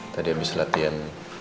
tadi ambis latihan